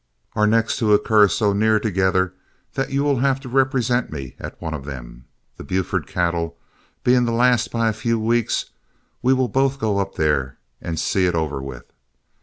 Our next two occur so near together that you will have to represent me at one of them. The Buford cattle, being the last by a few weeks, we will both go up there and see it over with.